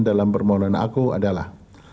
dalam permohonan aku adalah